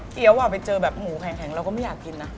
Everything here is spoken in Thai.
เกี้ยวอ่ะไปเจอแบบหมูแห่งเราก็ไม่อยากกินนะ